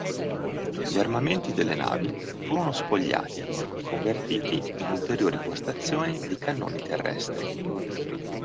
Gli armamenti delle navi furono spogliati e convertiti in ulteriori postazioni di cannoni terrestri.